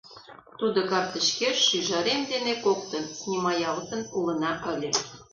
Тудо картычкеш шӱжарем дене коктын, снимаялтын улына ыле!